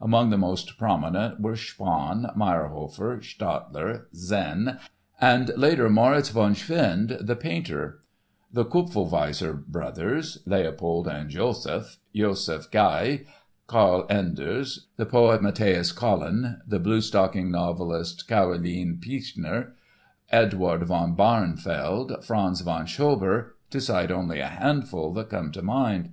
Among the most prominent were Spaun, Mayrhofer, Stadler, Senn, and later Moriz von Schwind, the painter; the Kupelwieser brothers, Leopold and Josef, Josef Gahy, Karl Enderes, the poet Matthaeus Collin, the blue stocking novelist, Karoline Pichler, Eduard von Bauernfeld, Franz von Schober—to cite only a handful that come to mind.